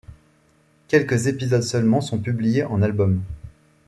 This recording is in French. Quelques épisodes seulement sont publiés en albums.